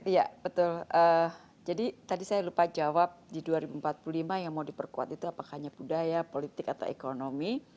iya betul jadi tadi saya lupa jawab di dua ribu empat puluh lima yang mau diperkuat itu apakah hanya budaya politik atau ekonomi